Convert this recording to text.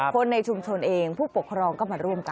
คนในชุมชนเองผู้ปกครองก็มาร่วมกัน